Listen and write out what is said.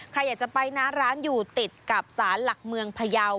ใครอยากจะไปนะร้านอยู่ติดกับสารหลักเมืองพยาว